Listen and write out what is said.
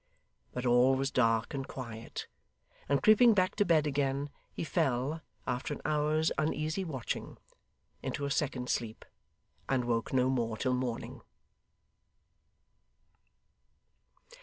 But all was dark and quiet, and creeping back to bed again, he fell, after an hour's uneasy watching, into a second sleep, and woke no more till morning.